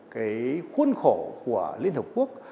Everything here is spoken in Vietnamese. cái khuôn khổ của liên hợp quốc